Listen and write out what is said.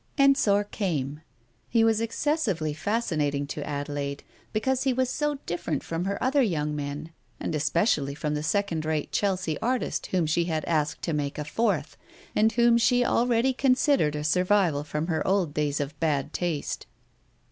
Ensor came. He was excessively fascinating to Adelaide, because he was so different from her other young men and especially from the second rate Chelsea artist whom she had asked to make a fourth, and whom she already considered a survival from her old days of bad taste.